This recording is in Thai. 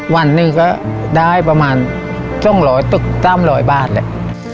วันนึงก็ได้ประมาณปรึกทั้งสามหลอยบาทเลย